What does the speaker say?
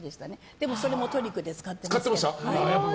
でも、それもトリックで使ってました。